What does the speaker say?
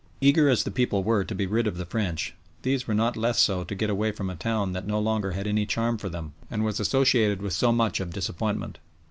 Eager as the people were to be rid of the French, these were not less so to get away from a town that no longer had any charm for them, and was associated with so much of disappointment.